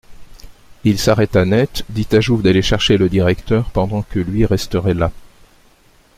Il s'arrêta net, dit à Jouve d'aller chercher le directeur, pendant que lui resterait là.